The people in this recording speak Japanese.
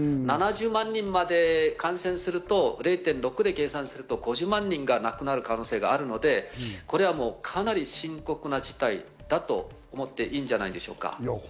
７０万人まで感染すると０．６で計算すると５０万人が亡くなる可能性があるので、これはかなり深刻な事態だと思っていいんじゃないでしょうか。